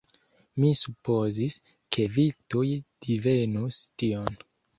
Mi supozis, ke vi tuj divenus tion.